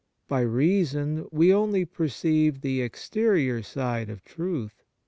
By reason we only perceive the exterior side of truth that l Eph.